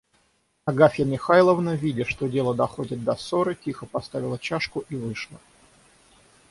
Агафья Михайловна, видя, что дело доходит до ссоры, тихо поставила чашку и вышла.